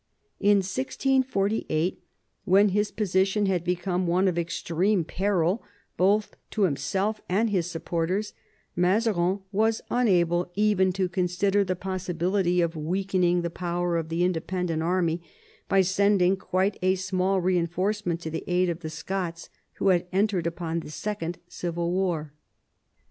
In 1648, when his position had become one of extreme peril both to himself and his supporters, Mazarin was unable even to consider the possibility of weakening the power of the Independent army by sending quite a small reinforcement to the aid of the Scots, who had entered upon the Second Civil War.